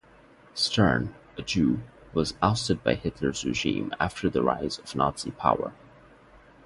Stern, a Jew, was ousted by Hitler's regime after the rise of Nazi power.